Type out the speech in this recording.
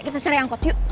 kita serai angkot yuk